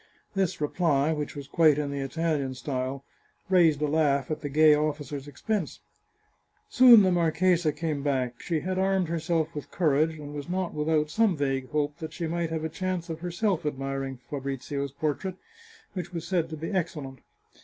This reply, which was quite in the Italian style, raised a laugh at the gay officer's expense. Soon the marchesa came back; she had armed herself with courage, and was not without some vague hope that she might have a chance of herself admiring Fabrizio's portrait, which was said to be excellent.